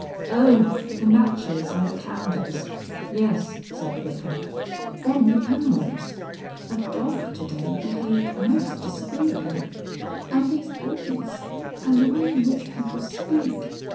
"Oh! the matches and the candles! Yes," said the Vicar. "Then the animals. A dog to day behaved most disagreeably . And these boys, and the way in which people speak